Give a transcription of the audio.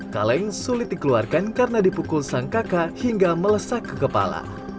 kaleng sulit dikeluarkan karena dipukul sang kakak hingga melesakkan